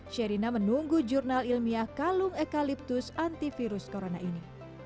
sherina menunggu jurnal ilmiah kalung ekaliptus antivirus corona ini